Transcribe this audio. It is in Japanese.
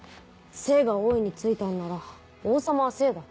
政が王位についたんなら王様は政だ。